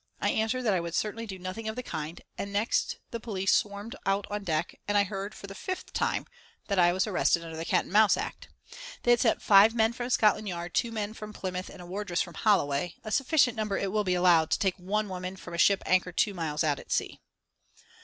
I answered that I would certainly do nothing of the kind, and next the police swarmed out on deck and I heard, for the fifth time that I was arrested under the Cat and Mouse Act. They had sent five men from Scotland Yard, two men from Plymouth and a wardress from Holloway, a sufficient number, it will be allowed, to take one woman from a ship anchored two miles out at sea.